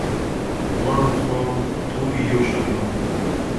دواړو خواوو توري یو شان نه وو.